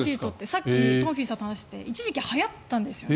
さっき東輝さんと話してて一時期はやったんですよね。